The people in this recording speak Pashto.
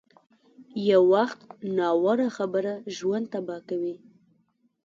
یو وخت ناوړه خبره ژوند تباه کوي.